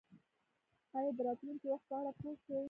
ایا د راتلونکي وخت په اړه پوه شوئ؟